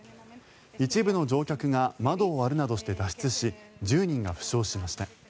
一部の乗客が窓を割るなどして脱出し１０人が負傷しました。